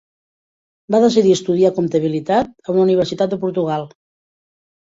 Va decidir estudiar Comptabilitat a una universitat de Portugal.